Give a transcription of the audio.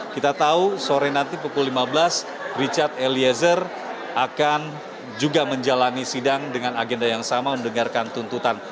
kita tahu sore nanti pukul lima belas richard eliezer akan juga menjalani sidang dengan agenda yang sama mendengarkan tuntutan